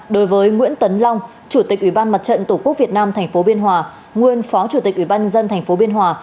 đối với nguyễn tấn long chủ tịch ủy ban mặt trận tổ quốc việt nam tp biên hòa nguyên phó chủ tịch ủy ban nhân dân tp biên hòa